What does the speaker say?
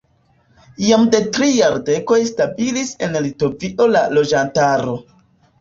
Jam de tri jardekoj stabilis en Litovio la loĝantaro.